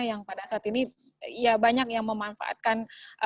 yang pada saat ini ya banyak yang memanfaatkan